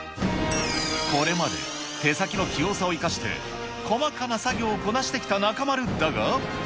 これまで手先の器用さを生かして、細かな作業をこなしてきた中丸だ